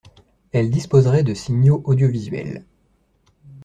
Elle disposerait des signaux audiovisuels